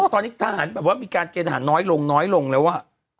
ตอนนี้ก็มีการเกณฑ์อาหารน้อยลงแล้วว่ะ